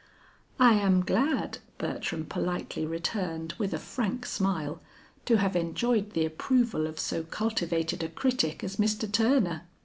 "I am glad," Bertram politely returned with a frank smile, "to have enjoyed the approval of so cultivated a critic as Mr. Turner.